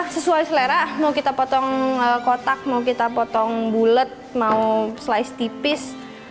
sesuai selera mau kita potong kotak mau kita potong bulet mau slice tipis